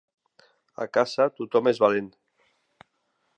A casa tothom és valent